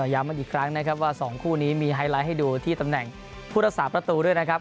ย้ำอีกครั้งนะครับว่า๒คู่นี้มีไฮไลท์ให้ดูที่ตำแหน่งผู้รักษาประตูด้วยนะครับ